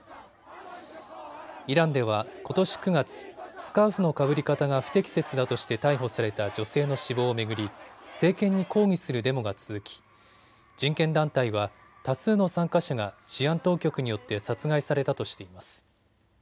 イランではことし９月、スカーフのかぶり方が不適切だとして逮捕された女性の死亡を巡り政権に抗議するデモが続き人権団体は多数の参加者が治安当局によって殺害されたとしています。